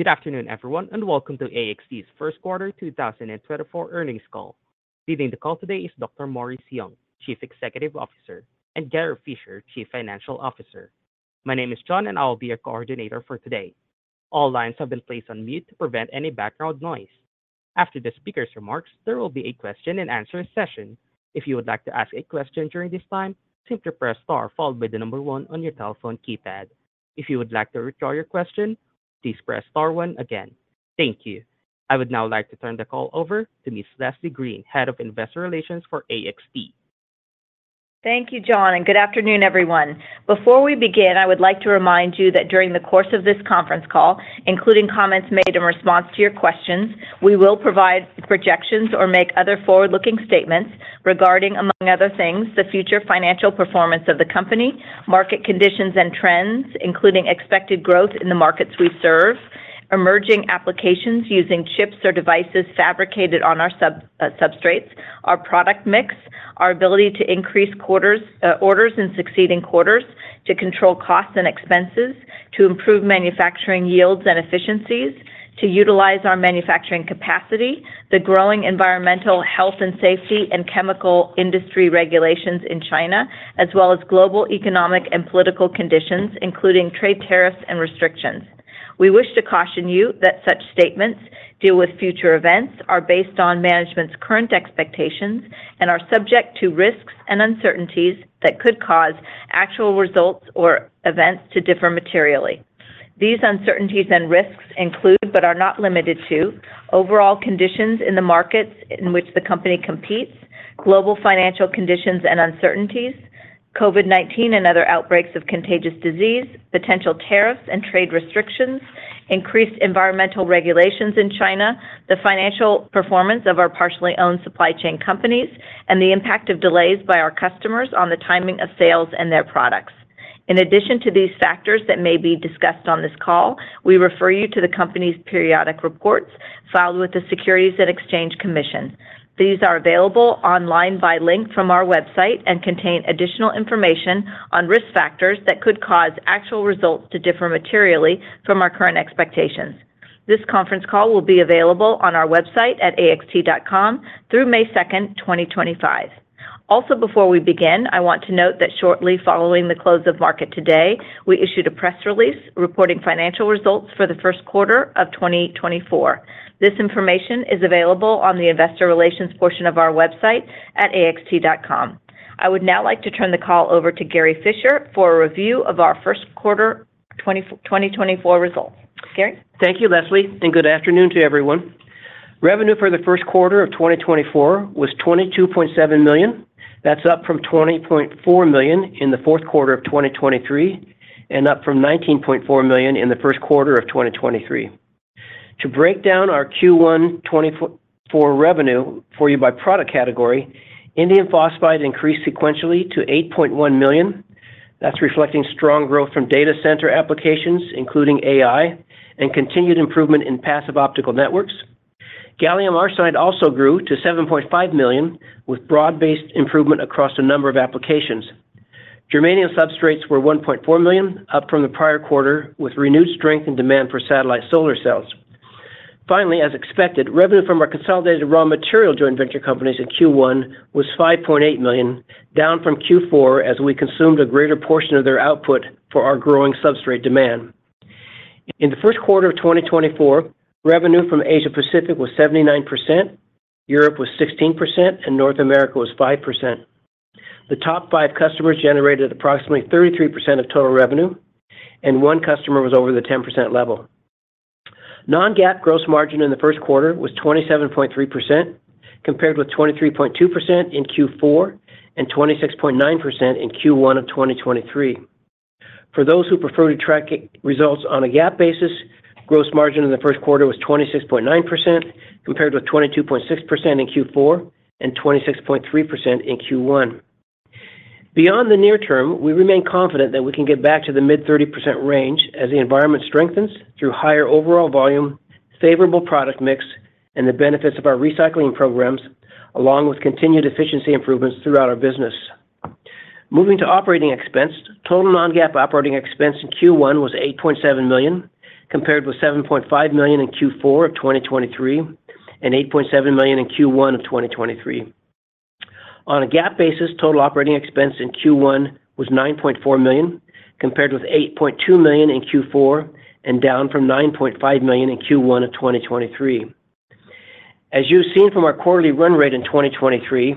Good afternoon, everyone, and welcome to AXT's first quarter 2024 earnings call. Leading the call today is Dr. Morris Young, Chief Executive Officer, and Gary Fischer, Chief Financial Officer. My name is John, and I'll be your coordinator for today. All lines have been placed on mute to prevent any background noise. After the speaker's remarks, there will be a question and answer session. If you would like to ask a question during this time, simply press Star followed by 1 on your telephone keypad. If you would like to withdraw your question, please press Star 1 again. Thank you. I would now like to turn the call over to Ms. Leslie Green, Head of Investor Relations for AXT. Thank you, John, and good afternoon, everyone. Before we begin, I would like to remind you that during the course of this conference call, including comments made in response to your questions, we will provide projections or make other forward-looking statements regarding, among other things, the future financial performance of the company, market conditions and trends, including expected growth in the markets we serve, emerging applications using chips or devices fabricated on our substrates, our product mix, our ability to increase orders in succeeding quarters to control costs and expenses, to improve manufacturing yields and efficiencies, to utilize our manufacturing capacity, the growing environmental, health and safety and chemical industry regulations in China, as well as global, economic, and political conditions, including trade tariffs and restrictions. We wish to caution you that such statements deal with future events, are based on management's current expectations, and are subject to risks and uncertainties that could cause actual results or events to differ materially. These uncertainties and risks include, but are not limited to, overall conditions in the markets in which the company competes, global financial conditions and uncertainties, COVID-19 and other outbreaks of contagious disease, potential tariffs and trade restrictions, increased environmental regulations in China, the financial performance of our partially owned supply chain companies, and the impact of delays by our customers on the timing of sales and their products. In addition to these factors that may be discussed on this call, we refer you to the company's periodic reports filed with the Securities and Exchange Commission. These are available online by link from our website and contain additional information on risk factors that could cause actual results to differ materially from our current expectations. This conference call will be available on our website at axt.com through May 2, 2025. Also, before we begin, I want to note that shortly following the close of market today, we issued a press release reporting financial results for the first quarter of 2024. This information is available on the investor relations portion of our website at axt.com. I would now like to turn the call over to Gary Fischer for a review of our first quarter 2024 results. Gary? Thank you, Leslie, and good afternoon to everyone. Revenue for the first quarter of 2024 was $22.7 million. That's up from $20.4 million in the fourth quarter of 2023, and up from $19.4 million in the first quarter of 2023. To break down our Q1 2024 revenue for you by product category, indium phosphide increased sequentially to $8.1 million. That's reflecting strong growth from data center applications, including AI, and continued improvement in passive optical networks. Gallium arsenide also grew to $7.5 million, with broad-based improvement across a number of applications. Germanium substrates were $1.4 million, up from the prior quarter, with renewed strength and demand for satellite solar cells. Finally, as expected, revenue from our consolidated raw material joint venture companies in Q1 was $5.8 million, down from Q4 as we consumed a greater portion of their output for our growing substrate demand. In the first quarter of 2024, revenue from Asia Pacific was 79%, Europe was 16%, and North America was 5%. The top five customers generated approximately 33% of total revenue, and one customer was over the 10% level. Non-GAAP gross margin in the first quarter was 27.3%, compared with 23.2% in Q4 and 26.9% in Q1 of 2023. For those who prefer to track results on a GAAP basis, gross margin in the first quarter was 26.9%, compared with 22.6% in Q4 and 26.3% in Q1. Beyond the near term, we remain confident that we can get back to the mid-30% range as the environment strengthens through higher overall volume, favorable product mix, and the benefits of our recycling programs, along with continued efficiency improvements throughout our business. Moving to operating expense, total non-GAAP operating expense in Q1 was $8.7 million, compared with $7.5 million in Q4 of 2023 and $8.7 million in Q1 of 2023. On a GAAP basis, total operating expense in Q1 was $9.4 million, compared with $8.2 million in Q4 and down from $9.5 million in Q1 of 2023. As you've seen from our quarterly run rate in 2023,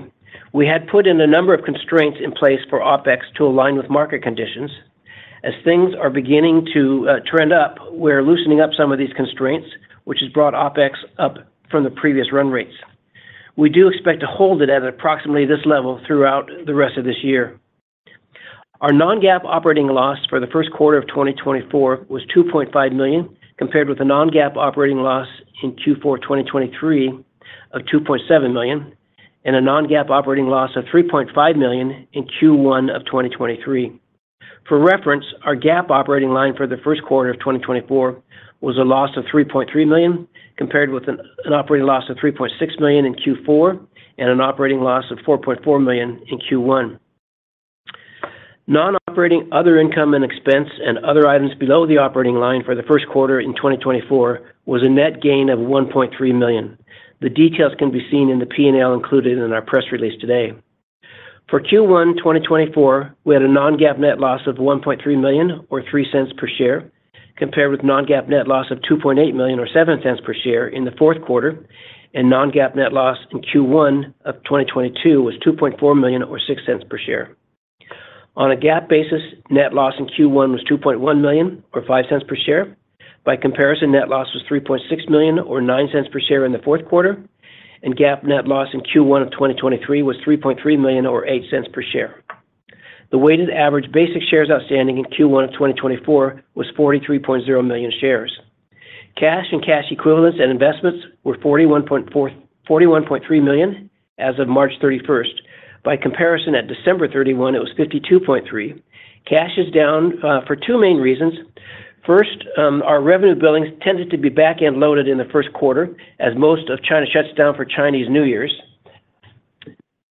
we had put in a number of constraints in place for OpEx to align with market conditions. As things are beginning to trend up, we're loosening up some of these constraints, which has brought OpEx up from the previous run rates. We do expect to hold it at approximately this level throughout the rest of this year. Our non-GAAP operating loss for the first quarter of 2024 was $2.5 million, compared with a non-GAAP operating loss in Q4 2023 of $2.7 million, and a non-GAAP operating loss of $3.5 million in Q1 of 2023. For reference, our GAAP operating line for the first quarter of 2024 was a loss of $3.3 million, compared with an operating loss of $3.6 million in Q4 and an operating loss of $4.4 million in Q1. Non-operating other income and expense and other items below the operating line for the first quarter in 2024 was a net gain of $1.3 million. The details can be seen in the P&L included in our press release today. For Q1 2024, we had a non-GAAP net loss of $1.3 million or $0.03 per share, compared with non-GAAP net loss of $2.8 million or $0.07 per share in the fourth quarter, and non-GAAP net loss in Q1 2022 was $2.4 million or $0.06 per share. On a GAAP basis, net loss in Q1 was $2.1 million or $0.05 per share. By comparison, net loss was $3.6 million or $0.09 per share in the fourth quarter, and GAAP net loss in Q1 of 2023 was $3.3 million or $0.08 per share. The weighted average basic shares outstanding in Q1 of 2024 was 43.0 million shares. Cash and cash equivalents and investments were $41.3 million as of March thirty-first. By comparison, at December thirty-one, it was $52.3 million. Cash is down for two main reasons. First, our revenue billings tended to be back-end loaded in the first quarter, as most of China shuts down for Chinese New Years.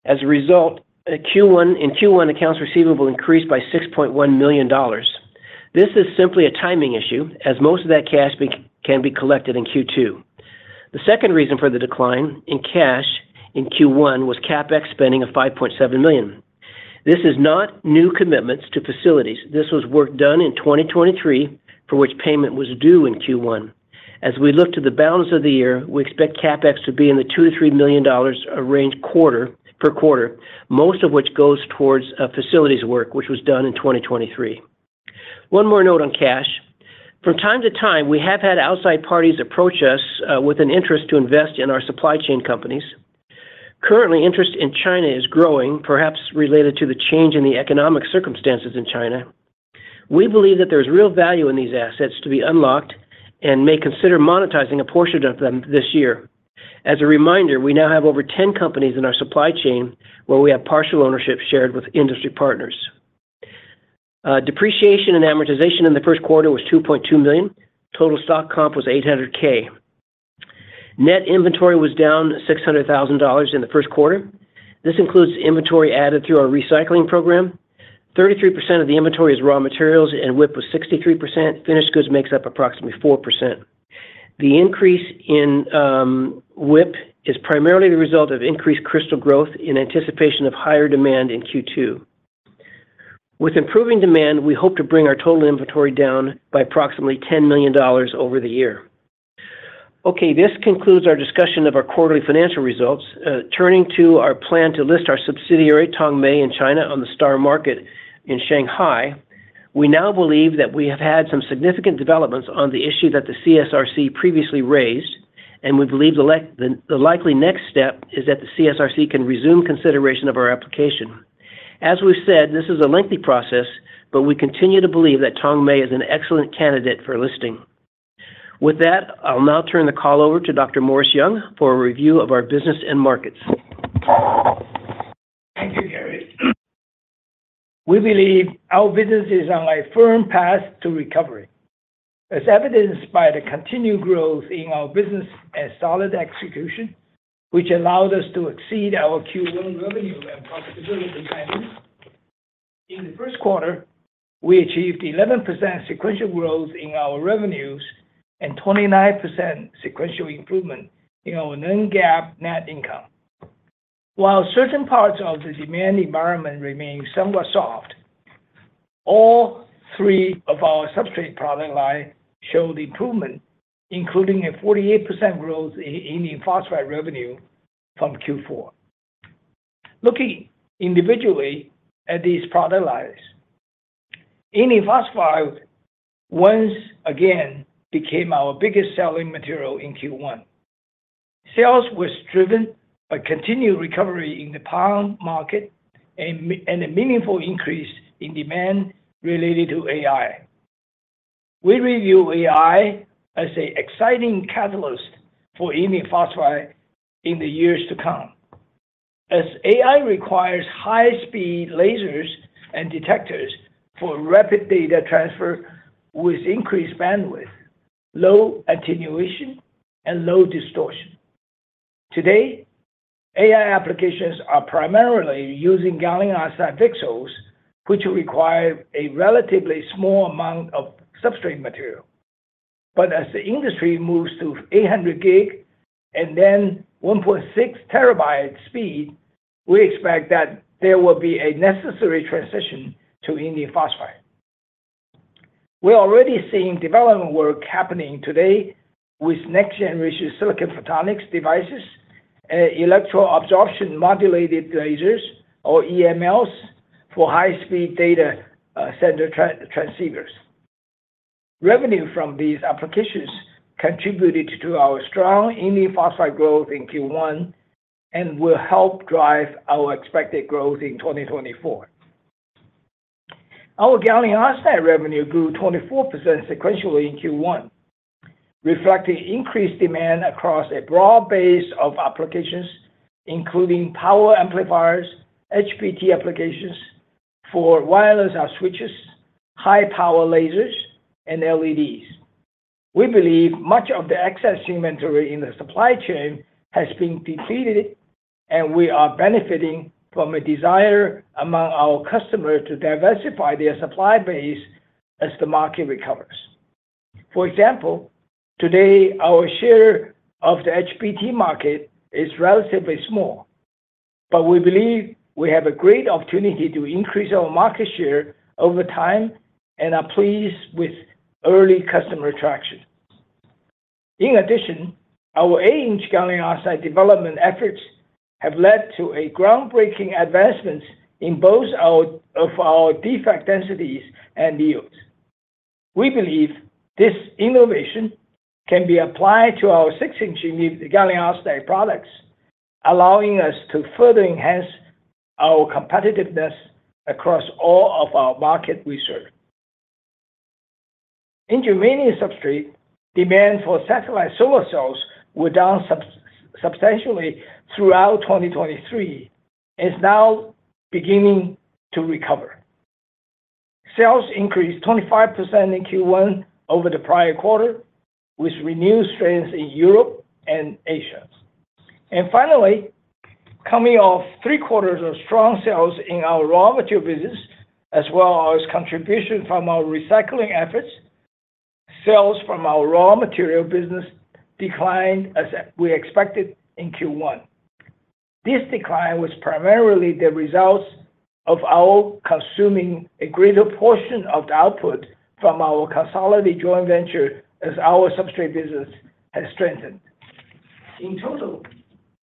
As a result, in Q1, accounts receivable increased by $6.1 million. This is simply a timing issue, as most of that cash can be collected in Q2. The second reason for the decline in cash in Q1 was CapEx spending of $5.7 million. This is not new commitments to facilities. This was work done in 2023, for which payment was due in Q1. As we look to the balance of the year, we expect CapEx to be in the $2-$3 million dollars a range quarter, per quarter, most of which goes towards a facilities work, which was done in 2023. One more note on cash. From time to time, we have had outside parties approach us, with an interest to invest in our supply chain companies. Currently, interest in China is growing, perhaps related to the change in the economic circumstances in China. We believe that there's real value in these assets to be unlocked and may consider monetizing a portion of them this year. As a reminder, we now have over 10 companies in our supply chain where we have partial ownership shared with industry partners. Depreciation and amortization in the first quarter was $2.2 million. Total stock comp was $800,000. Net inventory was down $600,000 in the first quarter. This includes inventory added through our recycling program. 33% of the inventory is raw materials, and WIP was 63%. Finished goods makes up approximately 4%. The increase in WIP is primarily the result of increased crystal growth in anticipation of higher demand in Q2. With improving demand, we hope to bring our total inventory down by approximately $10 million over the year. Okay, this concludes our discussion of our quarterly financial results. Turning to our plan to list our subsidiary, Tongmei, in China, on the STAR Market in Shanghai. We now believe that we have had some significant developments on the issue that the CSRC previously raised, and we believe the likely next step is that the CSRC can resume consideration of our application. As we've said, this is a lengthy process, but we continue to believe that Tongmei is an excellent candidate for listing. With that, I'll now turn the call over to Dr. Morris Young for a review of our business and markets. Thank you, Gary. We believe our business is on a firm path to recovery, as evidenced by the continued growth in our business and solid execution, which allowed us to exceed our Q1 revenue and profitability guidance. In the first quarter, we achieved 11% sequential growth in our revenues and 29% sequential improvement in our non-GAAP net income. While certain parts of the demand environment remain somewhat soft, all three of our substrate product line showed improvement, including a 48% growth in indium phosphide revenue from Q4. Looking individually at these product lines, indium phosphide once again became our biggest selling material in Q1. Sales was driven by continued recovery in the power market and a meaningful increase in demand related to AI. We review AI as a exciting catalyst for indium phosphide in the years to come. As AI requires high-speed lasers and detectors for rapid data transfer with increased bandwidth, low attenuation, and low distortion. Today, AI applications are primarily using gallium arsenide pixels, which require a relatively small amount of substrate material. But as the industry moves to 800 gig and then 1.6 terabyte speed, we expect that there will be a necessary transition to indium phosphide. We're already seeing development work happening today with next-gen rich silicon photonics devices and electro absorption modulated lasers, or EMLs, for high-speed data center transceivers. Revenue from these applications contributed to our strong indium phosphide growth in Q1 and will help drive our expected growth in 2024. Our gallium arsenide revenue grew 24% sequentially in Q1, reflecting increased demand across a broad base of applications, including power amplifiers, HBT applications for wireless switches, high power lasers, and LEDs… We believe much of the excess inventory in the supply chain has been defeated, and we are benefiting from a desire among our customers to diversify their supply base as the market recovers. For example, today, our share of the HBT market is relatively small, but we believe we have a great opportunity to increase our market share over time and are pleased with early customer traction. In addition, our 8-inch gallium arsenide development efforts have led to a groundbreaking advancement in both of our defect densities and yields. We believe this innovation can be applied to our 6-inch gallium arsenide products, allowing us to further enhance our competitiveness across all of our market research. In germanium substrate, demand for satellite solar cells were down substantially throughout 2023, is now beginning to recover. Sales increased 25% in Q1 over the prior quarter, with renewed strength in Europe and Asia. Finally, coming off three quarters of strong sales in our raw material business, as well as contribution from our recycling efforts, sales from our raw material business declined, as we expected, in Q1. This decline was primarily the result of our consuming a greater portion of the output from our consolidated joint venture as our substrate business has strengthened. In total,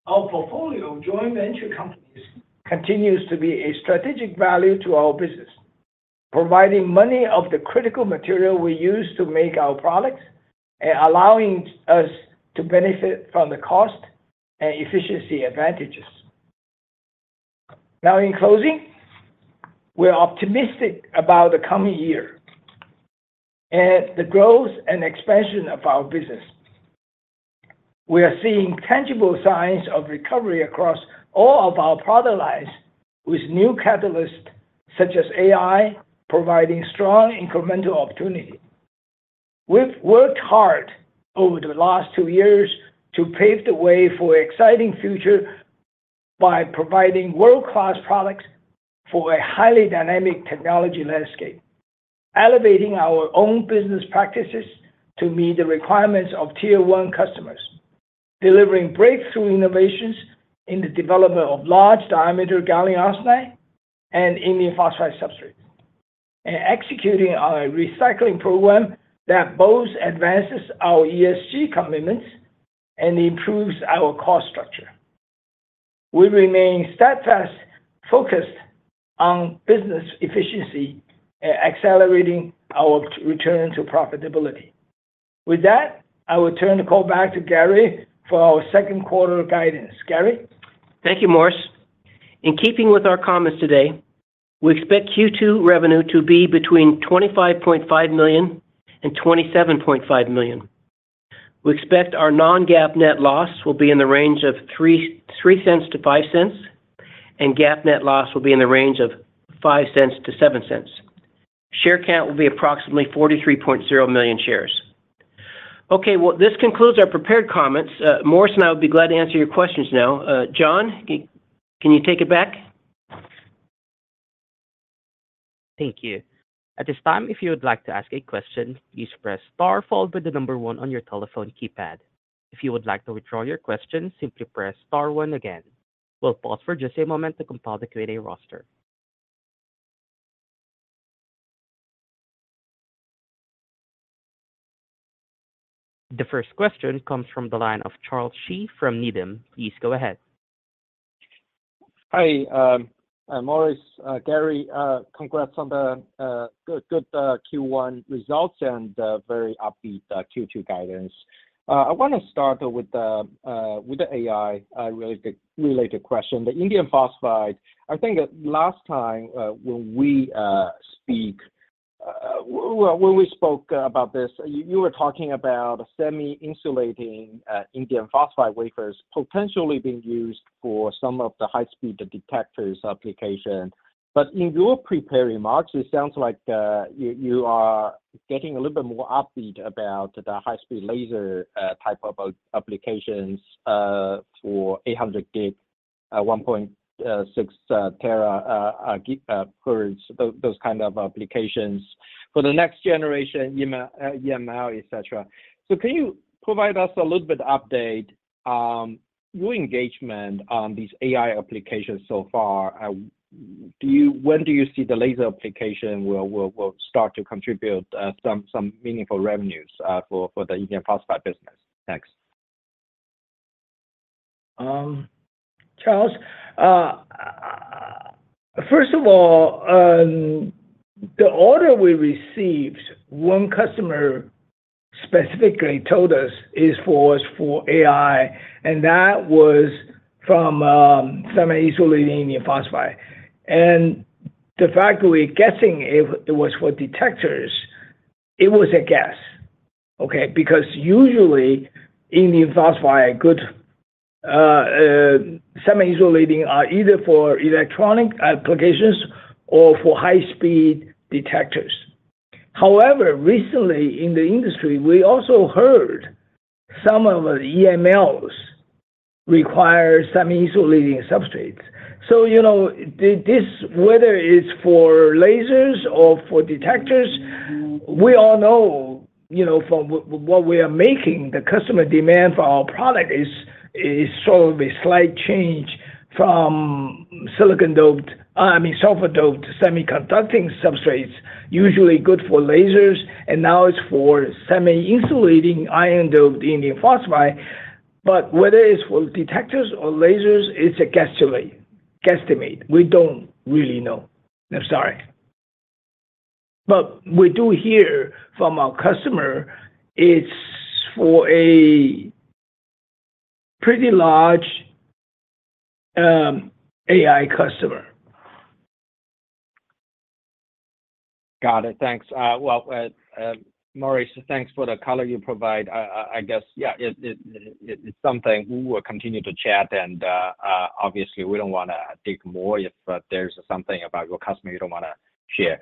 our portfolio of joint venture companies continues to be a strategic value to our business, providing many of the critical material we use to make our products and allowing us to benefit from the cost and efficiency advantages. Now, in closing, we're optimistic about the coming year and the growth and expansion of our business. We are seeing tangible signs of recovery across all of our product lines, with new catalysts, such as AI, providing strong incremental opportunity. We've worked hard over the last two years to pave the way for an exciting future by providing world-class products for a highly dynamic technology landscape, elevating our own business practices to meet the requirements of Tier One customers, delivering breakthrough innovations in the development of large-diameter gallium arsenide and indium phosphide substrates, and executing on a recycling program that both advances our ESG commitments and improves our cost structure. We remain steadfast focused on business efficiency and accelerating our return to profitability. With that, I will turn the call back to Gary for our second quarter guidance. Gary? Thank you, Morris. In keeping with our comments today, we expect Q2 revenue to be between $25.5 million and $27.5 million. We expect our non-GAAP net loss will be in the range of $0.03-$0.05, and GAAP net loss will be in the range of $0.05-$0.07. Share count will be approximately 43.0 million shares. Okay, well, this concludes our prepared comments. Morris and I will be glad to answer your questions now. John, can you take it back? Thank you. At this time, if you would like to ask a question, please press Star, followed by the number one on your telephone keypad. If you would like to withdraw your question, simply press Star one again. We'll pause for just a moment to compile the Q&A roster. The first question comes from the line of Charles Shi from Needham. Please go ahead. Hi, Morris, Gary, congrats on the good Q1 results and the very upbeat Q2 guidance. I want to start with the AI related question. The indium phosphide, I think last time, well, when we spoke about this, you were talking about semi-insulating indium phosphide wafers potentially being used for some of the high-speed detectors application. But in your prepared remarks, it sounds like you are getting a little bit more upbeat about the high-speed laser type of applications for 800 gig, 1.6 Terabits, those kind of applications for the next generation EML, et cetera. So can you provide us a little bit update on your engagement on these AI applications so far? Do you, when do you see the laser application will start to contribute some meaningful revenues for the indium phosphide business? Thanks. Charles, first of all, the order we received, one customer specifically told us is for AI, and that was from semi-insulating indium phosphide. The fact that we're guessing it was for detectors, it was a guess, okay? Because usually, indium phosphide, semi-insulating are either for electronic applications or for high speed detectors. However, recently in the industry, we also heard some of the EMLs require semi-insulating substrates. So, you know, this, whether it's for lasers or for detectors, we all know, you know, from what we are making, the customer demand for our product is sort of a slight change from silicon-doped—I mean, sulfur-doped semiconducting substrates, usually good for lasers, and now it's for semi-insulating ion-doped indium phosphide. But whether it's for detectors or lasers, it's a guesstimate. Guesstimate. We don't really know. I'm sorry. But we do hear from our customer, it's for a pretty large, AI customer. Got it. Thanks. Morris, thanks for the color you provide. I guess, yeah, it's something we will continue to chat and, obviously, we don't wanna dig more if there's something about your customer you don't wanna share.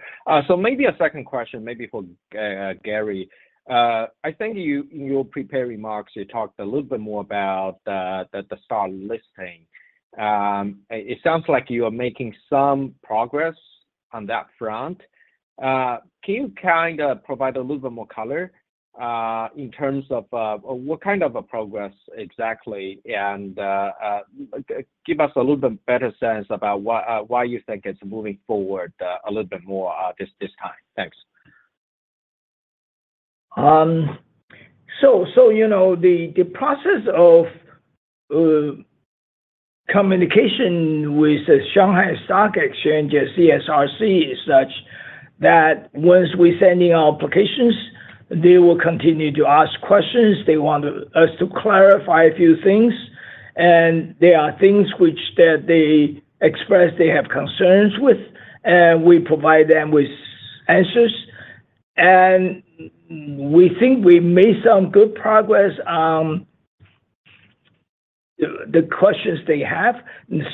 So maybe a second question, maybe for Gary. I think you, in your prepared remarks, you talked a little bit more about the stock listing. It sounds like you are making some progress on that front. Can you kinda provide a little bit more color, in terms of, what kind of a progress exactly, and, give us a little bit better sense about why, why you think it's moving forward, a little bit more, this time? Thanks. So, you know, the process of communication with the Shanghai Stock Exchange, CSRC, is such that once we send in our applications, they will continue to ask questions. They want us to clarify a few things, and there are things which they express they have concerns with, and we provide them with answers. And we think we made some good progress on the questions they have.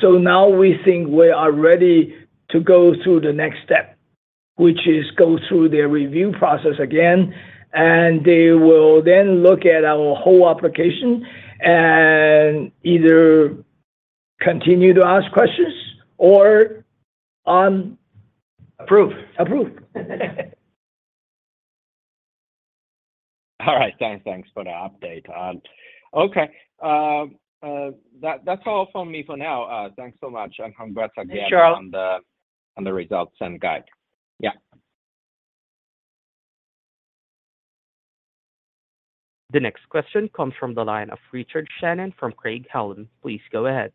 So now we think we are ready to go through the next step, which is go through their review process again, and they will then look at our whole application and either continue to ask questions or Approve. Approve. All right, thanks. Thanks for the update. Okay, that's all from me for now. Thanks so much, and congrats again- Sure. on the results and guide. Yeah. The next question comes from the line of Richard Shannon from Craig-Hallum. Please go ahead.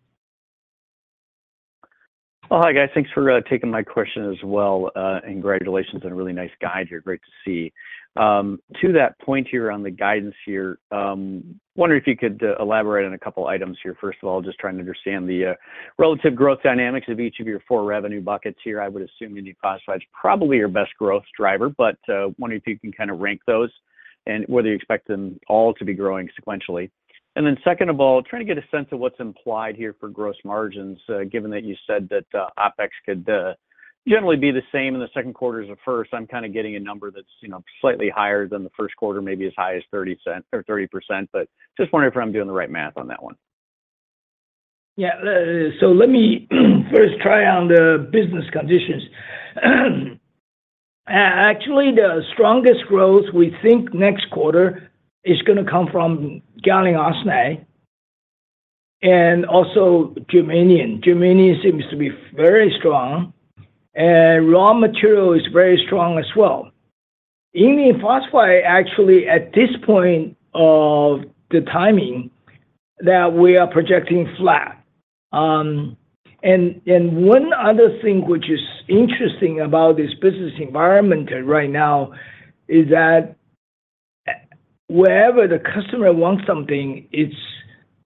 Oh, hi, guys. Thanks for taking my question as well, and congratulations on a really nice guide here. Great to see. To that point here on the guidance here, wondering if you could elaborate on a couple items here. First of all, just trying to understand the relative growth dynamics of each of your four revenue buckets here. I would assume indium phosphide is probably your best growth driver, but wondering if you can kinda rank those, and whether you expect them all to be growing sequentially. And then second of all, trying to get a sense of what's implied here for gross margins, given that you said that OpEx could generally be the same in the second quarter as the first. I'm kinda getting a number that's, you know, slightly higher than the first quarter, maybe as high as $0.30 or 30%, but just wondering if I'm doing the right math on that one. Yeah, so let me first try on the business conditions. Actually, the strongest growth we think next quarter is gonna come from gallium arsenide and also germanium. Germanium seems to be very strong, and raw material is very strong as well. Indium phosphide, actually, at this point of the timing, that we are projecting flat. And one other thing which is interesting about this business environment right now is that wherever the customer wants something,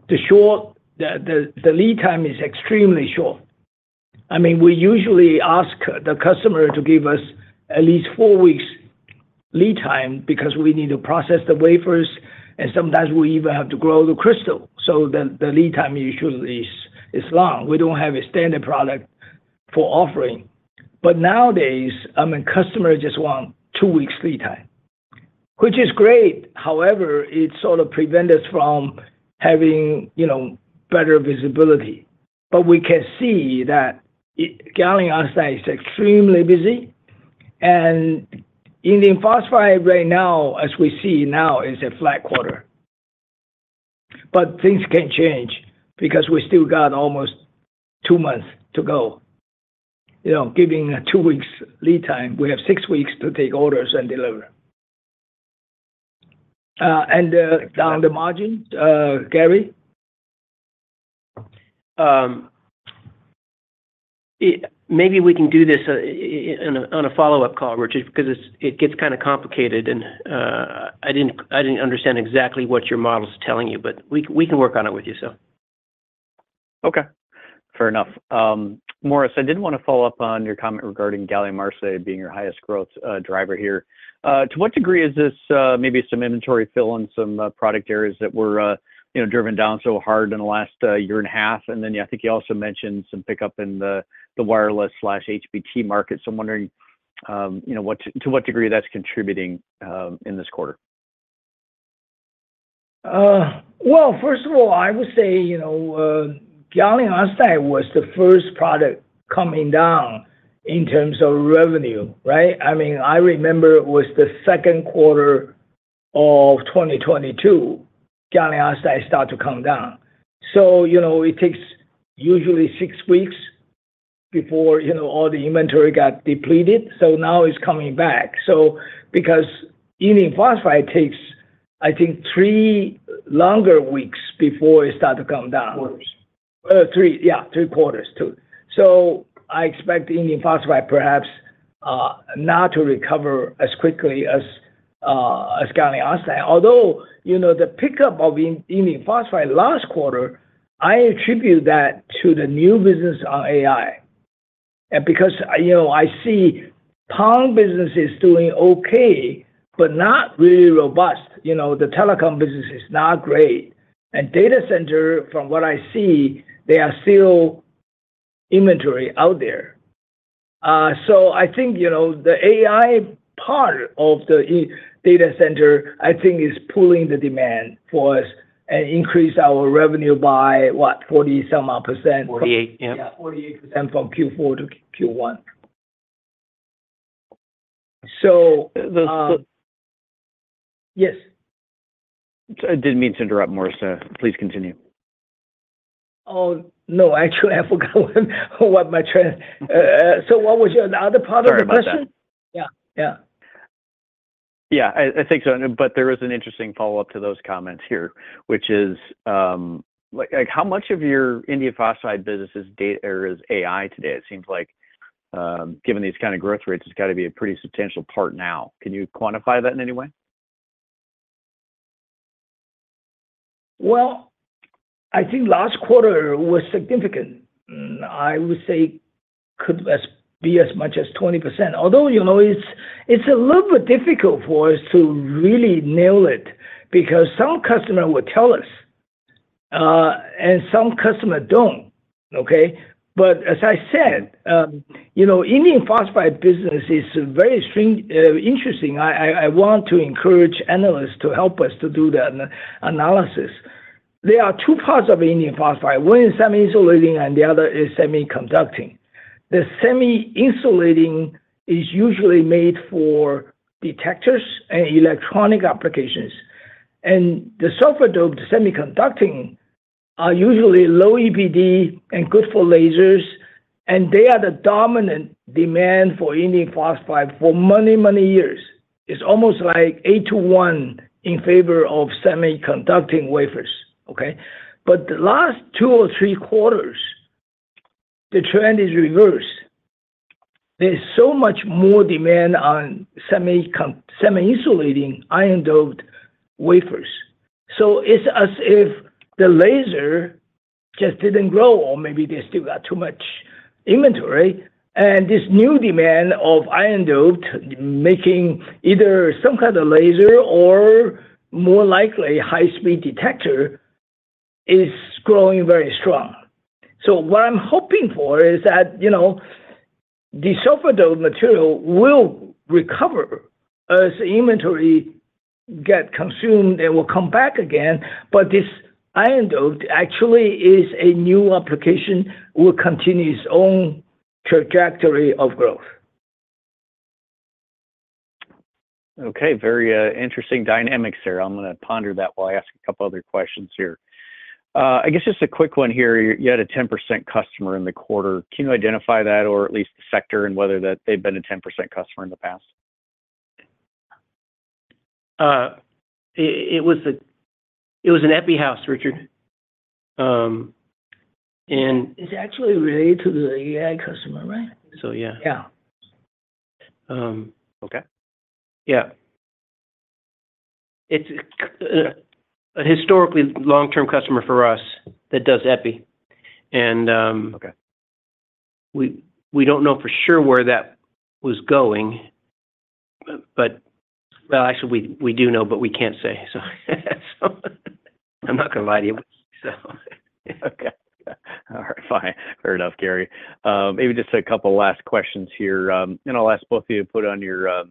the lead time is extremely short. I mean, we usually ask the customer to give us at least four weeks lead time because we need to process the wafers, and sometimes we even have to grow the crystal. So the lead time usually is long. We don't have a standard product for offering. But nowadays, I mean, customers just want two weeks lead time, which is great. However, it sort of prevents us from having, you know, better visibility. But we can see that gallium arsenide is extremely busy, and indium phosphide right now, as we see now, is a flat quarter. But things can change because we still got almost two months to go. You know, giving two weeks lead time, we have six weeks to take orders and deliver. On the margin, Gary? Maybe we can do this on a follow-up call, Richard, because it gets kinda complicated, and I didn't understand exactly what your model is telling you, but we can work on it with you, so. Okay, fair enough. Morris, I did want to follow up on your comment regarding gallium arsenide being your highest growth driver here. To what degree is this maybe some inventory fill in some product areas that were, you know, driven down so hard in the last year and a half? And then I think you also mentioned some pickup in the wireless/HBT market. So I'm wondering, you know, what to what degree that's contributing in this quarter? Well, first of all, I would say, you know, gallium arsenide was the first product coming down in terms of revenue, right? I mean, I remember it was the second quarter of 2022, gallium arsenide start to come down. So, you know, it takes usually six weeks before, you know, all the inventory got depleted, so now it's coming back. So because indium phosphide takes, I think, three longer weeks before it start to come down. Quarters. Three, yeah, three quarters too. So I expect the indium phosphide perhaps not to recover as quickly as gallium arsenide. Although, you know, the pickup of indium phosphide last quarter, I attribute that to the new business on AI. And because, you know, I see PAM business is doing okay, but not really robust. You know, the telecom business is not great. And data center, from what I see, there's still inventory out there. So I think, you know, the AI part of the data center, I think is pulling the demand for us and increase our revenue by what? 40-some odd percent. Forty-eight, yeah. Yeah, 48% from Q4 to Q1. So, The, the- Yes? I didn't mean to interrupt, Morris, please continue. Oh, no, actually, I forgot what my trend-- so what was your-- the other part of the question? Sorry about that. Yeah. Yeah. Yeah, I think so. But there is an interesting follow-up to those comments here, which is, like, how much of your indium phosphide business is data or is AI today? It seems like, given these kind of growth rates, it's got to be a pretty substantial part now. Can you quantify that in any way? Well, I think last quarter was significant. I would say could be as much as 20%. Although, you know, it's a little bit difficult for us to really nail it because some customer will tell us, and some customer don't, okay? But as I said, you know, indium phosphide business is very strange, interesting. I want to encourage analysts to help us to do the analysis. There are 2 parts of indium phosphide, one is semi-insulating and the other is semiconducting. The semi-insulating is usually made for detectors and electronic applications, and the sulfur-doped semiconducting are usually low EPD and good for lasers, and they are the dominant demand for indium phosphide for many, many years. It's almost like 8-to-1 in favor of semiconducting wafers, okay? But the last 2 or 3 quarters, the trend is reversed. There's so much more demand on semi-insulating iron-doped wafers. So it's as if the laser just didn't grow or maybe they still got too much inventory. And this new demand of iron-doped, making either some kind of laser or more likely, high-speed detector, is growing very strong. So what I'm hoping for is that, you know, the sulfur-doped material will recover as the inventory get consumed, it will come back again. But this iron-doped actually is a new application, will continue its own trajectory of growth. Okay, very, interesting dynamics there. I'm gonna ponder that while I ask a couple other questions here. I guess just a quick one here: You had a 10% customer in the quarter. Can you identify that or at least the sector and whether that they've been a 10% customer in the past? It was an Epi house, Richard. And It's actually related to the AI customer, right? So, yeah. Yeah. Um... Okay. Yeah. It's a historically long-term customer for us that does Epi. And Okay... we don't know for sure where that was going, but... Well, actually, we do know, but we can't say. So I'm not gonna lie to you, so. Okay. All right, fine. Fair enough, Gary. Maybe just a couple last questions here. And I'll ask both of you to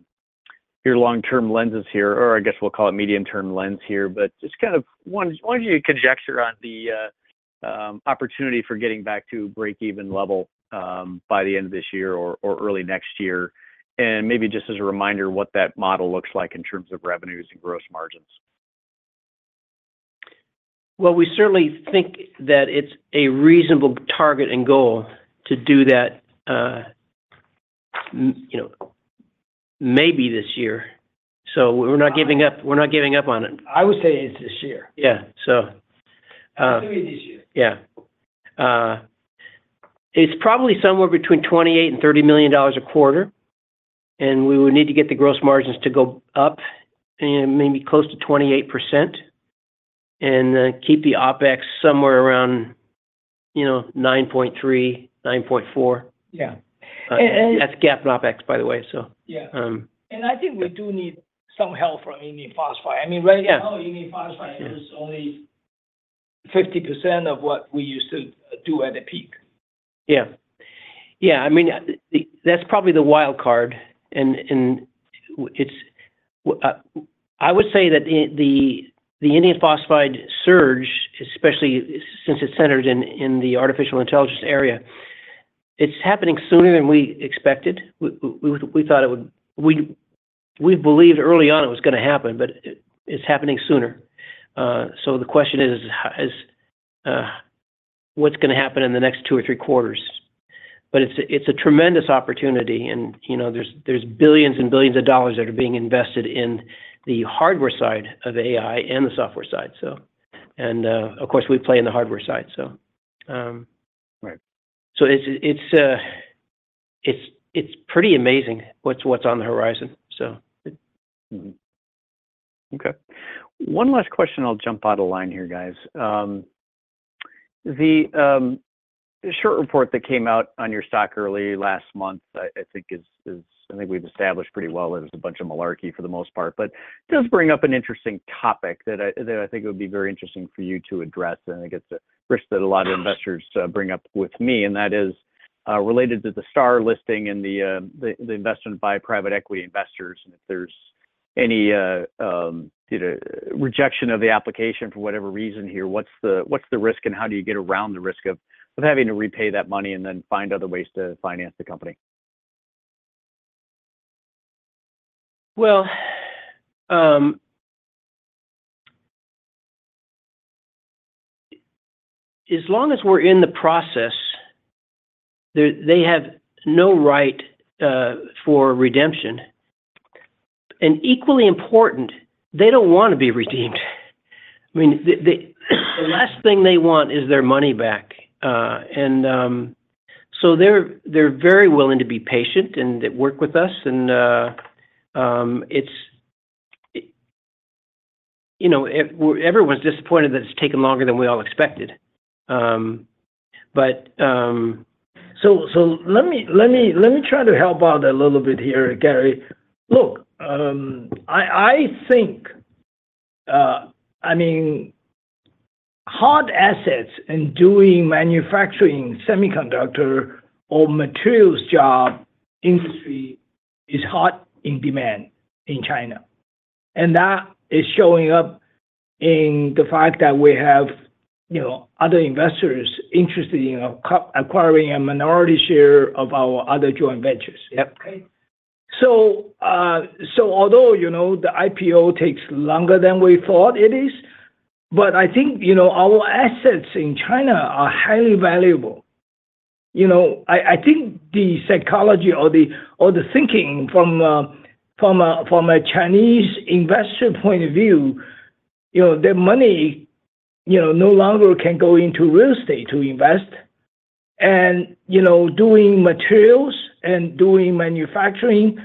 put on your, your long-term lenses here, or I guess we'll call it medium-term lens here. But just kind of one of you conjecture on the, opportunity for getting back to break-even level, by the end of this year or early next year. And maybe just as a reminder, what that model looks like in terms of revenues and gross margins. Well, we certainly think that it's a reasonable target and goal to do that, you know, maybe this year. So we're not giving up, we're not giving up on it. I would say it's this year. Yeah, so, It's gonna be this year. Yeah. It's probably somewhere between $28 million and $30 million a quarter, and we would need to get the gross margins to go up and maybe close to 28%, and keep the OpEx somewhere around, you know, $9.3 million, $9.4 million. Yeah. And- That's GAAP OpEx, by the way, so- Yeah. Um. I think we do need some help from indium phosphide. I mean, right now- Yeah... indium phosphide is only 50% of what we used to do at the peak. Yeah. Yeah, I mean, that's probably the wild card, and it's, I would say that the indium phosphide surge, especially since it's centered in the artificial intelligence area, it's happening sooner than we expected. We thought it would. We believed early on it was gonna happen, but it's happening sooner. So the question is, what's gonna happen in the next 2 or 3 quarters? But it's a tremendous opportunity and, you know, there's $ billions and $ billions of dollars that are being invested in the hardware side of AI and the software side, so. And, of course, we play in the hardware side, so. Right. So it's pretty amazing what's on the horizon, so. Mm-hmm. Okay. One last question, I'll jump out of line here, guys. The short report that came out on your stock early last month, I think is—I think we've established pretty well it was a bunch of malarkey for the most part, but it does bring up an interesting topic that I think it would be very interesting for you to address, and I think it's a risk that a lot of investors bring up with me, and that is related to the STAR listing and the investment by private equity investors. And if there's any, you know, rejection of the application for whatever reason here, what's the risk, and how do you get around the risk of having to repay that money and then find other ways to finance the company? Well, as long as we're in the process, they have no right for redemption. And equally important, they don't wanna be redeemed. I mean, the last thing they want is their money back. So they're very willing to be patient and work with us, and it's you know, everyone's disappointed that it's taken longer than we all expected, but So let me try to help out a little bit here, Gary. Look, I think, I mean, hard assets and doing manufacturing, semiconductor or materials job industry is hot in demand in China, and that is showing up in the fact that we have, you know, other investors interested in acquiring a minority share of our other joint ventures. Yep. Okay? So, so although, you know, the IPO takes longer than we thought it is, but I think, you know, our assets in China are highly valuable. You know, I, I think the psychology or the, or the thinking from, from a, from a Chinese investor point of view, you know, their money, you know, no longer can go into real estate to invest and, you know, doing materials and doing manufacturing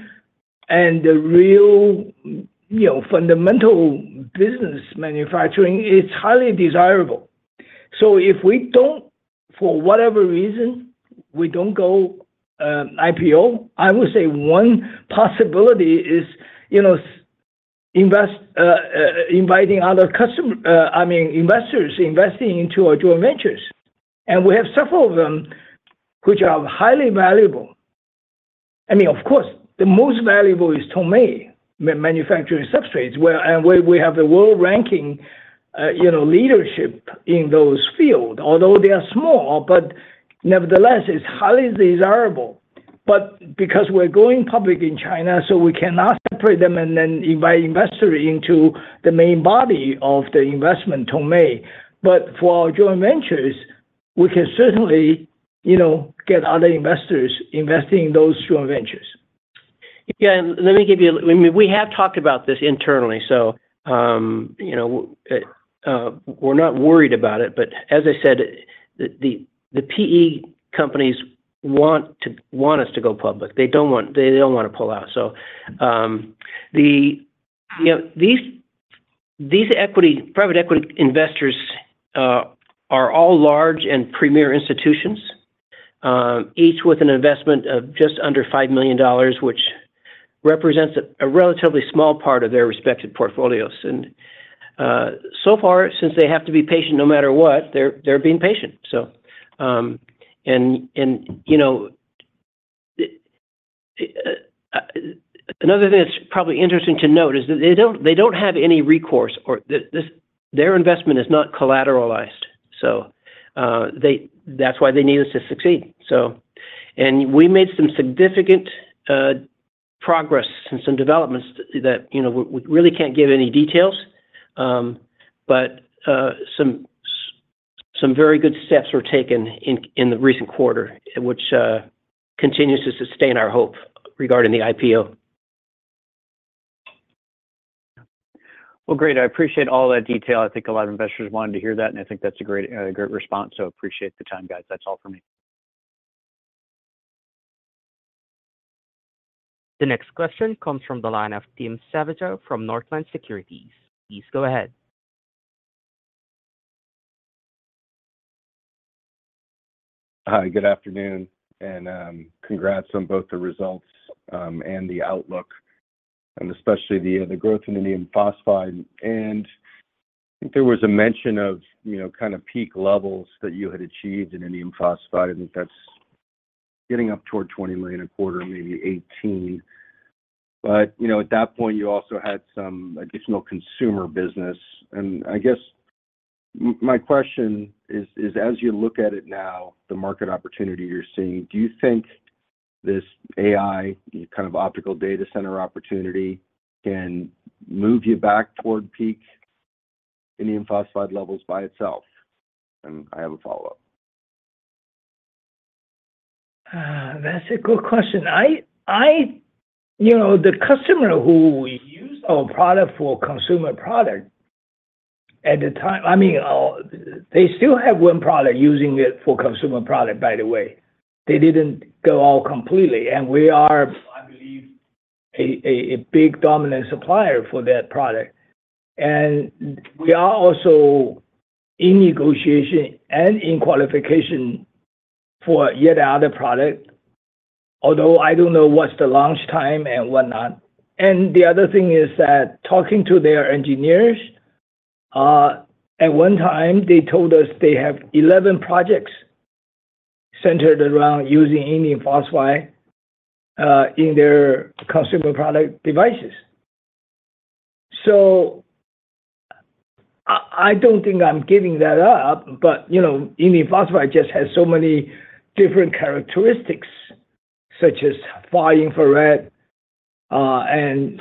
and the real, m- you know, fundamental business manufacturing is highly desirable. So if we don't, for whatever reason, we don't go, uh, IPO, I would say one possibility is, you know, s- invest, uh, uh, inviting other customer, uh, I mean, investors investing into our joint ventures, and we have several of them which are highly valuable. I mean, of course, the most valuable is Tongmei Manufacturing Substrates, where we have the world-ranking, you know, leadership in those field. Although they are small, but nevertheless, it's highly desirable. But because we're going public in China, so we cannot separate them and then invite investor into the main body of the investment, Tongmei. But for our joint ventures, we can certainly, you know, get other investors investing in those joint ventures. Yeah, and let me give you... I mean, we have talked about this internally, so, you know, we're not worried about it. But as I said, the PE companies want us to go public. They don't want, they don't wanna pull out. So, you know, these equity, private equity investors are all large and premier institutions, each with an investment of just under $5 million, which represents a relatively small part of their respective portfolios. And, so far, since they have to be patient, no matter what, they're being patient. So, and, you know, another thing that's probably interesting to note is that they don't have any recourse, or this, their investment is not collateralized, so, they-- that's why they need us to succeed. So, and we made some significant progress and some developments that, you know, we really can't give any details, but some very good steps were taken in the recent quarter, which continues to sustain our hope regarding the IPO. Well, great. I appreciate all that detail. I think a lot of investors wanted to hear that, and I think that's a great great response, so appreciate the time, guys. That's all for me. The next question comes from the line of Tim Savage from Northland Securities. Please go ahead. Hi, good afternoon, and congrats on both the results and the outlook, and especially the growth in indium phosphide. I think there was a mention of, you know, kind of peak levels that you had achieved in indium phosphide, and that's getting up toward $20 million a quarter, maybe $18 million. But, you know, at that point, you also had some additional consumer business. And I guess my question is, as you look at it now, the market opportunity you're seeing, do you think this AI, kind of, optical data center opportunity can move you back toward peak indium phosphide levels by itself? And I have a follow-up. That's a good question. You know, the customer who used our product for consumer product, at the time, I mean, they still have one product using it for consumer product, by the way. They didn't go out completely, and we are, I believe, a big dominant supplier for that product. And we are also in negotiation and in qualification for yet another product, although I don't know what's the launch time and whatnot. And the other thing is that talking to their engineers, at one time, they told us they have 11 projects centered around using indium phosphide in their consumer product devices. So I don't think I'm giving that up, but, you know, indium phosphide just has so many different characteristics, such as far-infrared, and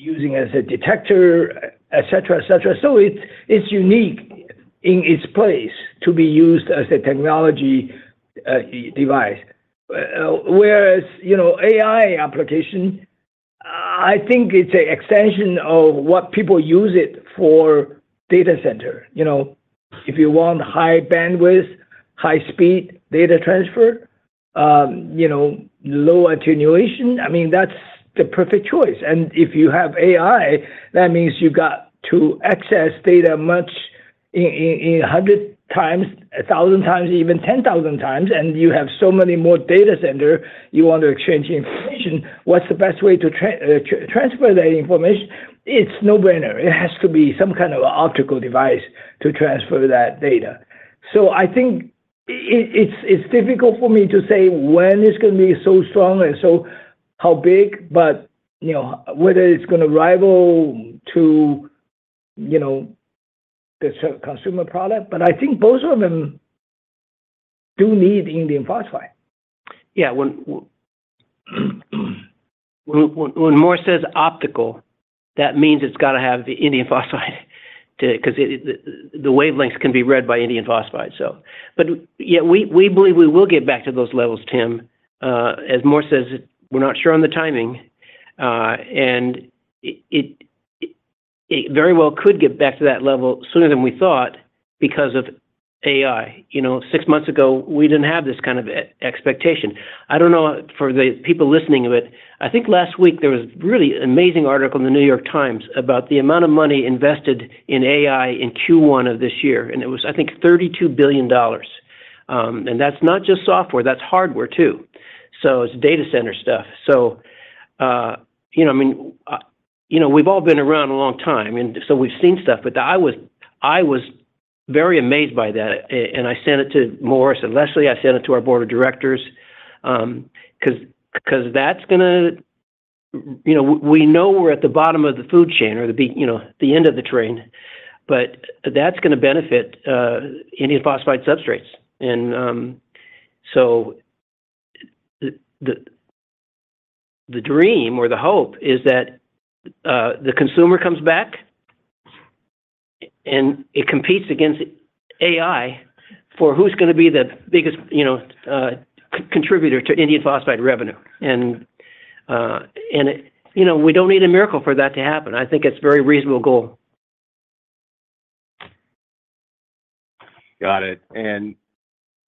using as a detector, et cetera, et cetera. So it's unique in its place to be used as a technology device. Whereas, you know, AI application, I think it's an extension of what people use it for data center. You know, if you want high bandwidth, high speed data transfer, you know, low attenuation, I mean, that's the perfect choice. And if you have AI, that means you've got to access data much in 100 times, 1,000 times, even 10,000 times, and you have so many more data center, you want to exchange information. What's the best way to transfer that information? It's no-brainer. It has to be some kind of optical device to transfer that data. So I think it's difficult for me to say when it's gonna be so strong and so how big, but, you know, whether it's gonna rival to, you know, the consumer product, but I think both of them do need indium phosphide. Yeah, when Morris says optical, that means it's gotta have the indium phosphide, too, 'cause the wavelengths can be read by indium phosphide. So, but yet we believe we will get back to those levels, Tim. As Morris says, we're not sure on the timing, and it very well could get back to that level sooner than we thought because of AI. You know, six months ago, we didn't have this kind of expectation. I don't know for the people listening, but I think last week there was really an amazing article in the New York Times about the amount of money invested in AI in Q1 of this year, and it was, I think, $32 billion. And that's not just software, that's hardware too. So it's data center stuff. So, you know, I mean, you know, we've all been around a long time, and so we've seen stuff, but I was, I was very amazed by that, and I sent it to Morris and Leslie. I sent it to our board of directors, 'cause, 'cause that's gonna—you know, we know we're at the bottom of the food chain or the, you know, the end of the train, but that's gonna benefit indium phosphide substrates. And, so the dream or the hope is that the consumer comes back, and it competes against AI for who's gonna be the biggest, you know, contributor to indium phosphide revenue. And, and, you know, we don't need a miracle for that to happen. I think it's a very reasonable goal. Got it.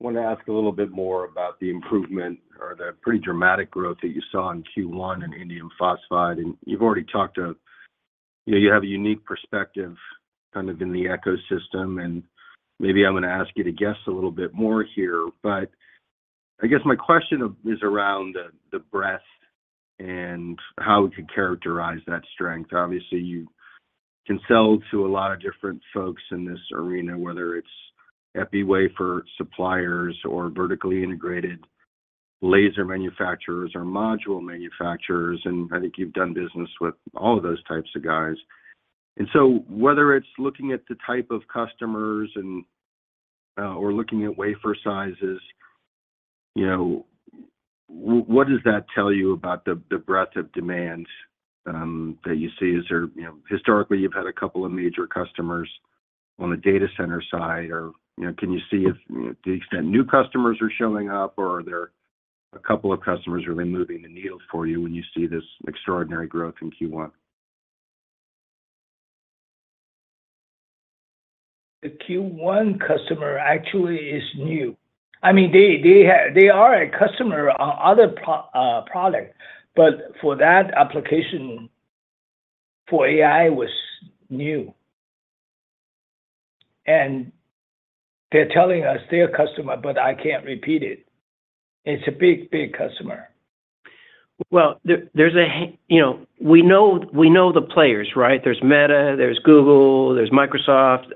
And I want to ask a little bit more about the improvement or the pretty dramatic growth that you saw in Q1 in Indium phosphide. And you've already talked to, you know, you have a unique perspective kind of in the ecosystem, and maybe I'm gonna ask you to guess a little bit more here. But I guess my question of is around the breadth and how we could characterize that strength. Obviously, you can sell to a lot of different folks in this arena, whether it's epi wafer suppliers or vertically integrated laser manufacturers or module manufacturers, and I think you've done business with all of those types of guys. And so whether it's looking at the type of customers and or looking at wafer sizes, you know, what does that tell you about the breadth of demand that you see? Is there, you know, historically, you've had a couple of major customers on the data center side, or, you know, can you see if, you know, the extent new customers are showing up, or are there a couple of customers, are they moving the needle for you when you see this extraordinary growth in Q1? The Q1 customer actually is new. I mean, they, they have, they are a customer on other product, but for that application, for AI was new. And they're telling us they're a customer, but I can't repeat it. It's a big, big customer. Well, there's you know, we know the players, right? There's Meta, there's Google, there's Microsoft.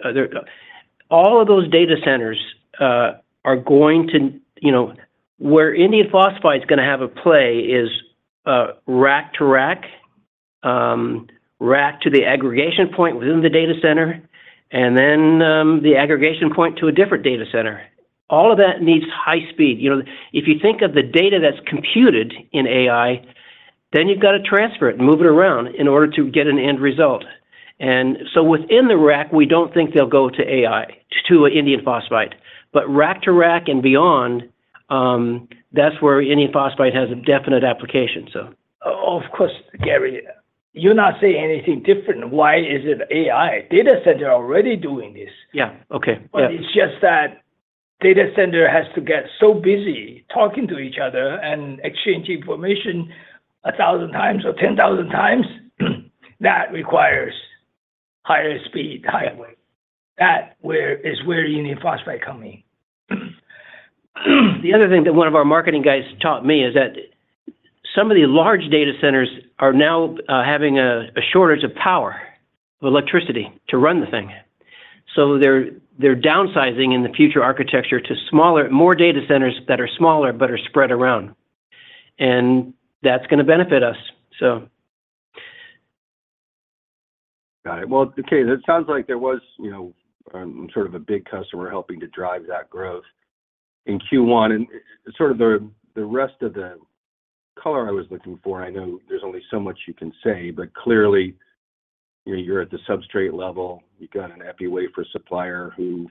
All of those data centers are going to, you know, where indium phosphide is gonna have a play is rack to rack, rack to the aggregation point within the data center, and then the aggregation point to a different data center. All of that needs high speed. You know, if you think of the data that's computed in AI, then you've got to transfer it, move it around in order to get an end result. And so within the rack, we don't think they'll go to AI, to a indium phosphide. But rack to rack and beyond, that's where indium phosphide has a definite application, so. Of course, Gary, you're not saying anything different. Why is it AI? Data center already doing this. Yeah. Okay, yeah. But it's just that data center has to get so busy talking to each other and exchanging information 1,000 times or 10,000 times, that requires higher speed highway. That is where the indium phosphide come in. The other thing that one of our marketing guys taught me is that some of the large data centers are now having a shortage of power, electricity to run the thing. So they're downsizing in the future architecture to smaller, more data centers that are smaller, but are spread around. And that's gonna benefit us, so. Got it. Well, okay, it sounds like there was, you know, sort of a big customer helping to drive that growth in Q1. And sort of the, the rest of the color I was looking for, I know there's only so much you can say, but clearly, you're, you're at the substrate level. You've got an epi wafer supplier who,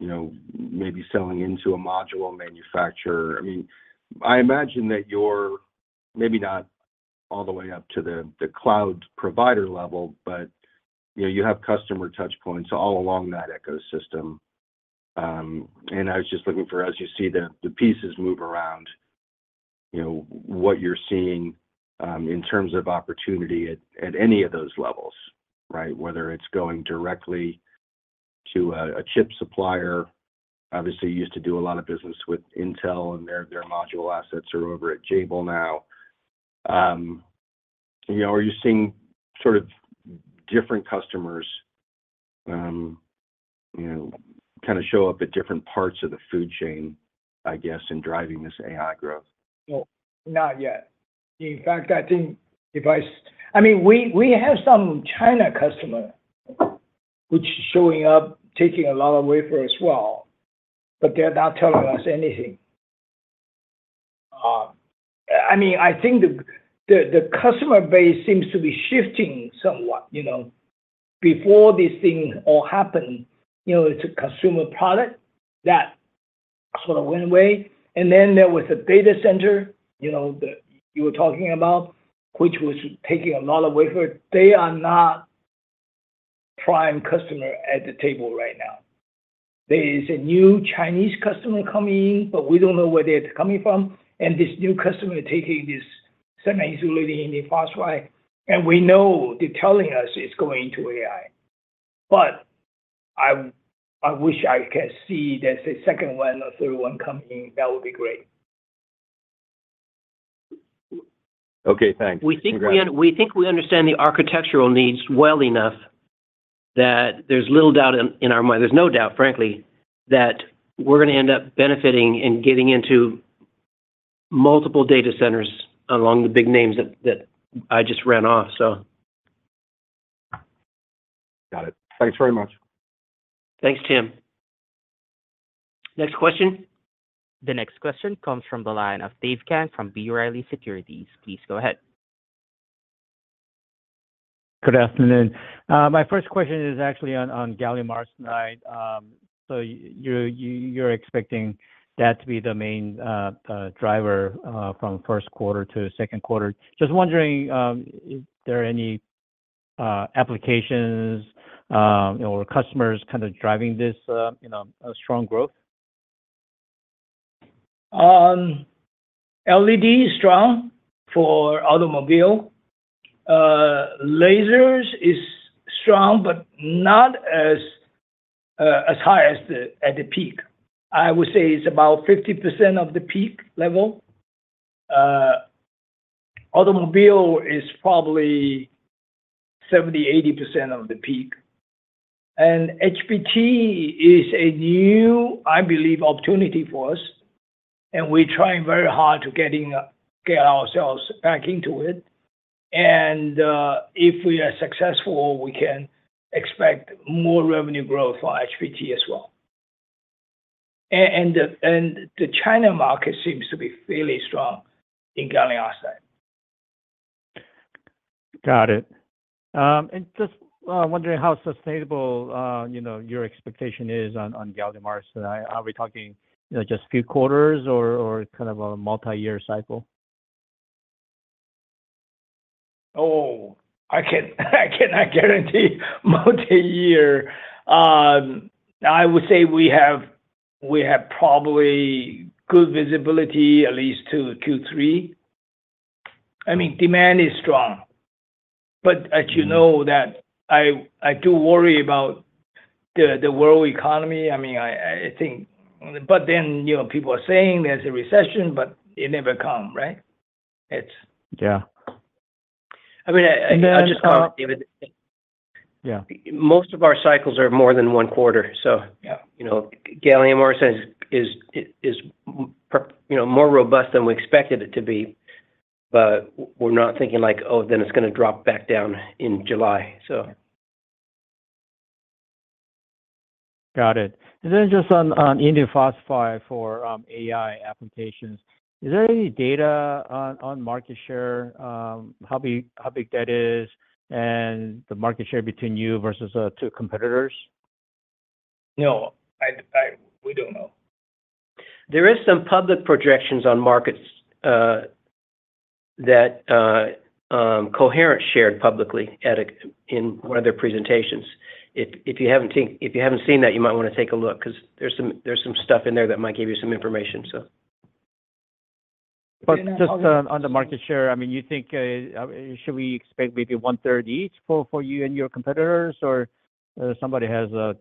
you know, may be selling into a module manufacturer. I mean, I imagine that you're maybe not all the way up to the, the cloud provider level, but, you know, you have customer touchpoints all along that ecosystem. And I was just looking for, as you see the, the pieces move around, you know, what you're seeing, in terms of opportunity at, at any of those levels, right? Whether it's going directly to a chip supplier, obviously, you used to do a lot of business with Intel, and their module assets are over at Jabil now. You know, are you seeing sort of different customers, you know, kinda show up at different parts of the food chain, I guess, in driving this AI growth? No, not yet. In fact, I think—I mean, we have some Chinese customer which is showing up, taking a lot of wafers as well, but they're not telling us anything. I mean, I think the customer base seems to be shifting somewhat, you know. Before this thing all happened, you know, it's a consumer product that sort of went away. And then there was a data center, you know, that you were talking about, which was taking a lot of wafers. They are not prime customer at the table right now. There is a new Chinese customer coming in, but we don't know where they're coming from, and this new customer is taking this semi-insulating indium phosphide, and we know, they're telling us it's going to AI. But I wish I could see there's a second one or third one coming in. That would be great. Okay, thanks. We think we understand the architectural needs well enough that there's little doubt in our mind. There's no doubt, frankly, that we're gonna end up benefiting and getting into multiple data centers along the big names that I just ran off, so. Got it. Thanks very much. Thanks, Tim. Next question? The next question comes from the line of Dave Kang from B. Riley Securities. Please go ahead. Good afternoon. My first question is actually on gallium arsenide. So you're expecting that to be the main driver from first quarter to second quarter. Just wondering, is there any applications or customers kind of driving this, you know, strong growth? LED is strong for automobile. Lasers is strong, but not as, as high as the, at the peak. I would say it's about 50% of the peak level. Automobile is probably 70%-80% of the peak. And HBT is a new, I believe, opportunity for us, and we're trying very hard to get ourselves back into it. And, if we are successful, we can expect more revenue growth for HBT as well. And the China market seems to be fairly strong in gallium arsenide.... Got it. Just wondering how sustainable, you know, your expectation is on gallium arsenide. Are we talking, you know, just a few quarters or kind of a multi-year cycle? Oh, I can't. I cannot guarantee multi-year. I would say we have probably good visibility at least to Q3. I mean, demand is strong, but as you know, that I do worry about the world economy. I mean, I think. But then, you know, people are saying there's a recession, but it never come, right? It's- Yeah. I mean, I'll just comment, David. Yeah. Most of our cycles are more than one quarter, so- Yeah. You know, Gallium arsenide is you know, more robust than we expected it to be, but we're not thinking like, "Oh, then it's gonna drop back down in July," so. Got it. And then just on indium phosphide for AI applications, is there any data on market share, how big that is, and the market share between you versus two competitors? No... We don't know. There is some public projections on markets that Coherent shared publicly at a, in one of their presentations. If you haven't seen that, you might wanna take a look, 'cause there's some stuff in there that might give you some information, so. But just on the market share, I mean, you think, should we expect maybe 1/3 each for you and your competitors, or somebody has a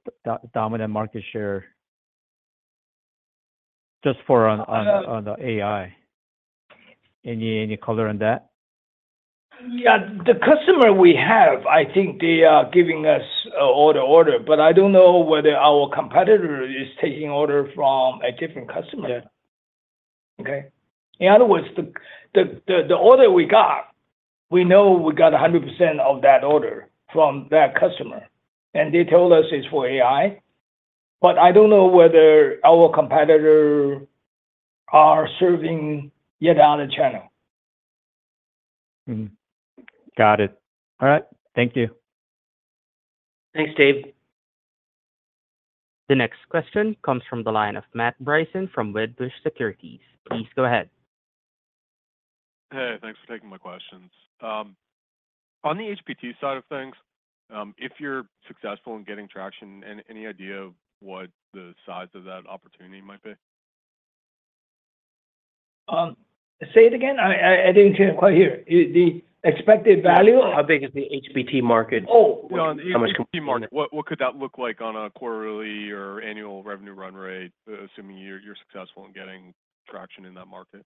dominant market share? Just on the AI. Any color on that? Yeah, the customer we have, I think they are giving us all the order, but I don't know whether our competitor is taking order from a different customer. Yeah. Okay? In other words, the order we got, we know we got 100% of that order from that customer, and they told us it's for AI, but I don't know whether our competitor are serving yet another channel. Mm-hmm. Got it. All right. Thank you. Thanks, Dave. The next question comes from the line of Matt Bryson from Wedbush Securities. Please go ahead. Hey, thanks for taking my questions. On the HBT side of things, if you're successful in getting traction, any idea of what the size of that opportunity might be? Say it again? I didn't quite hear. The expected value? How big is the HBT market? Oh! Yeah, on the HPT market, what could that look like on a quarterly or annual revenue run rate, assuming you're successful in getting traction in that market?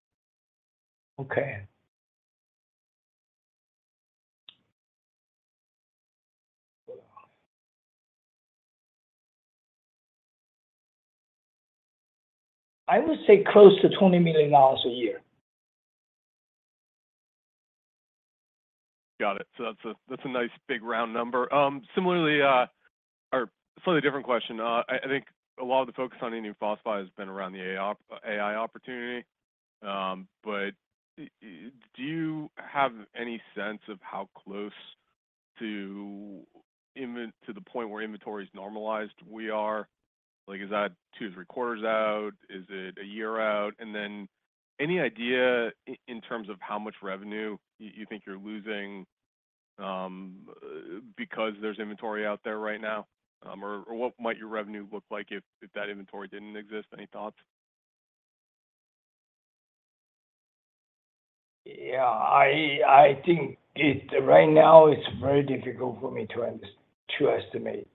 Okay. I would say close to $20 million a year. Got it. So that's a nice big round number. Similarly, or slightly different question, I think a lot of the focus on indium phosphide has been around the AI opportunity. But do you have any sense of how close to the point where inventory is normalized we are? Like, is that two to three quarters out? Is it a year out? And then any idea in terms of how much revenue you think you're losing, because there's inventory out there right now? Or what might your revenue look like if that inventory didn't exist? Any thoughts? Yeah, I think it... Right now, it's very difficult for me to estimate,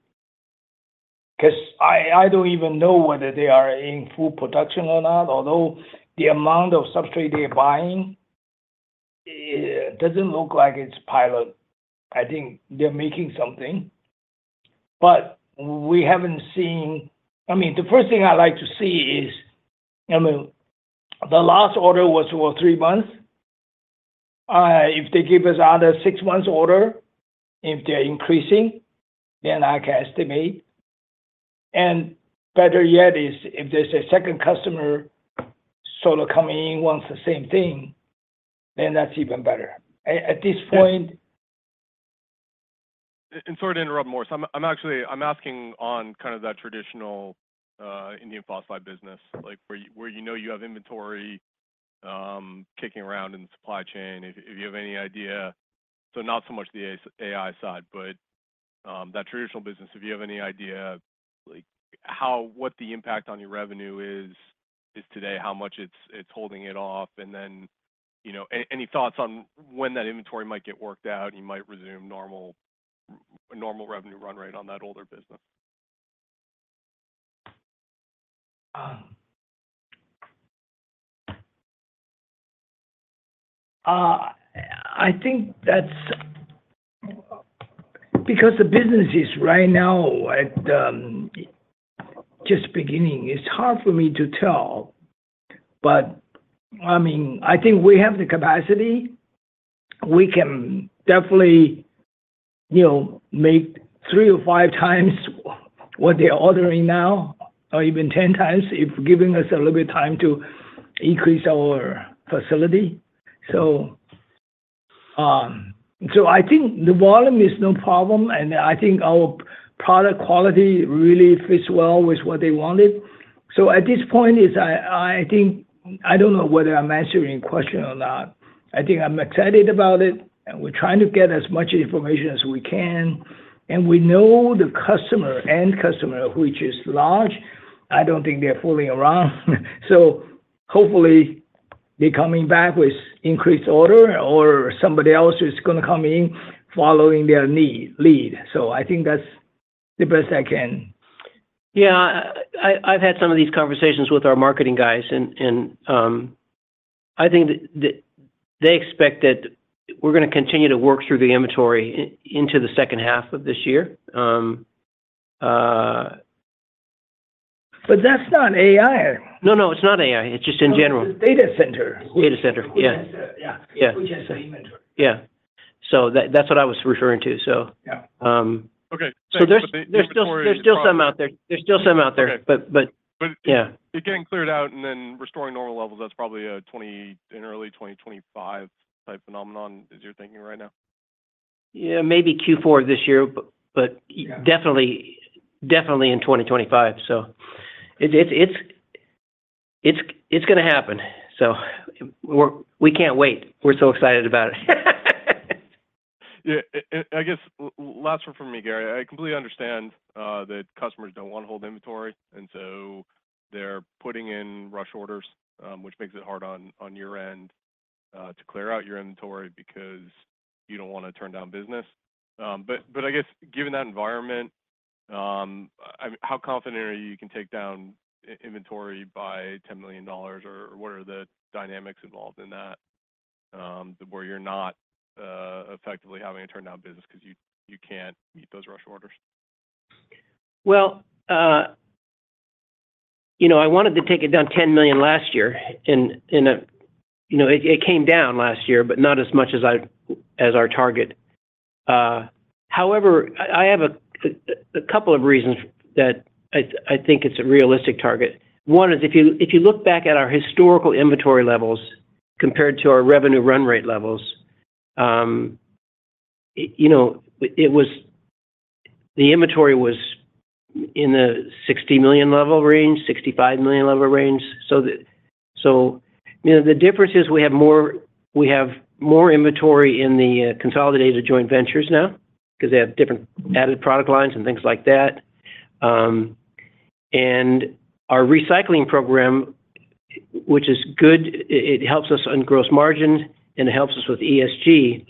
'cause I don't even know whether they are in full production or not, although the amount of substrate they're buying, it doesn't look like it's pilot. I think they're making something, but we haven't seen... I mean, the first thing I'd like to see is, I mean, the last order was for three months. If they give us another six months order, if they're increasing, then I can estimate. And better yet, is if there's a second customer, Solar coming in, wants the same thing, then that's even better. At this point- Sorry to interrupt, Morris. I'm actually asking on kind of that traditional indium phosphide business, like, where you know you have inventory kicking around in the supply chain, if you have any idea. So not so much the AI side, but that traditional business, if you have any idea, like, how, what the impact on your revenue is today, how much it's holding it off, and then, you know, any thoughts on when that inventory might get worked out, you might resume normal revenue run rate on that older business? I think that's because the business is right now at just beginning; it's hard for me to tell. But, I mean, I think we have the capacity. We can definitely you know, make 3 or 5 times what they are ordering now, or even 10 times, if giving us a little bit time to increase our facility. So, so I think the volume is no problem, and I think our product quality really fits well with what they wanted. So at this point is I, I think, I don't know whether I'm answering your question or not. I think I'm excited about it, and we're trying to get as much information as we can, and we know the customer, end customer, which is large. I don't think they're fooling around. So hopefully, they're coming back with increased order or somebody else is gonna come in following their lead. So I think that's the best I can. Yeah, I've had some of these conversations with our marketing guys, and I think that they expect that we're gonna continue to work through the inventory into the second half of this year. But that's not AI. No, no, it's not AI, it's just in general. Data center. Data center, yeah. Yeah. Yeah. Which has the inventory. Yeah. So that, that's what I was referring to, so- Yeah. Um- Okay. So there's still some out there. There's still some out there. Okay. But, but- But- Yeah. It's getting cleared out and then restoring normal levels, that's probably a 2020, in early 2025 type phenomenon, is your thinking right now? Yeah, maybe Q4 of this year, but. Yeah... definitely, definitely in 2025. So it's gonna happen, so we're, we can't wait. We're so excited about it. Yeah, I guess last one from me, Gary. I completely understand that customers don't want to hold inventory, and so they're putting in rush orders, which makes it hard on your end to clear out your inventory because you don't wanna turn down business. But I guess given that environment, I—how confident are you you can take down inventory by $10 million, or what are the dynamics involved in that, where you're not effectively having to turn down business because you can't meet those rush orders? Well, you know, I wanted to take it down $10 million last year, and you know, it came down last year, but not as much as our target. However, I have a couple of reasons that I think it's a realistic target. One is if you look back at our historical inventory levels compared to our revenue run rate levels, you know, the inventory was in the $60 million level range, $65 million level range. So you know, the difference is we have more inventory in the consolidated joint ventures now, 'cause they have different added product lines and things like that. And our recycling program, which is good, it helps us on gross margin, and it helps us with ESG,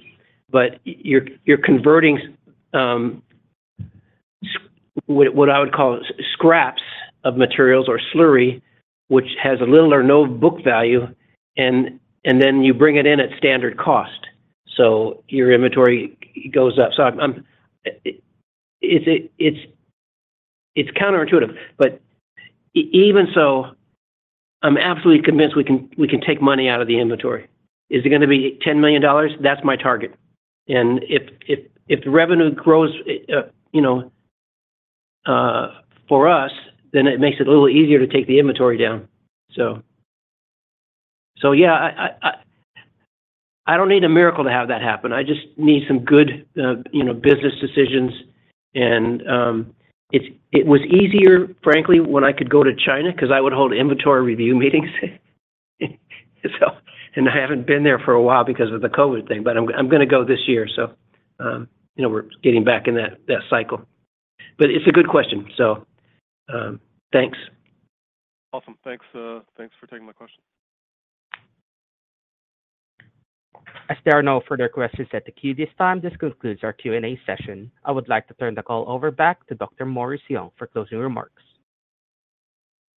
but you're converting what I would call scraps of materials or slurry, which has a little or no book value, and then you bring it in at standard cost, so your inventory goes up. So I'm. It's counterintuitive, but even so, I'm absolutely convinced we can take money out of the inventory. Is it gonna be $10 million? That's my target. And if the revenue grows, you know, for us, then it makes it a little easier to take the inventory down. So yeah, I don't need a miracle to have that happen. I just need some good, you know, business decisions. It was easier, frankly, when I could go to China, 'cause I would hold inventory review meetings. So I haven't been there for a while because of the COVID thing, but I'm gonna go this year, so you know, we're getting back in that cycle. But it's a good question, so thanks. Awesome. Thanks, thanks for taking my question. As there are no further questions at the queue this time, this concludes our Q&A session. I would like to turn the call over back to Dr. Morris Young for closing remarks.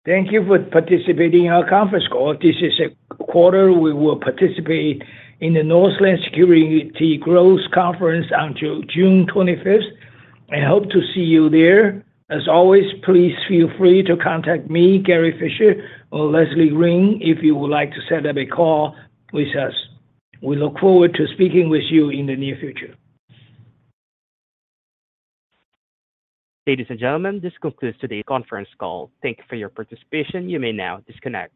Thank you for participating in our conference call. This is a quarter we will participate in the Northland Securities Growth Conference until June 25th. I hope to see you there. As always, please feel free to contact me, Gary Fischer or Leslie Green, if you would like to set up a call with us. We look forward to speaking with you in the near future. Ladies and gentlemen, this concludes today's conference call. Thank you for your participation. You may now disconnect.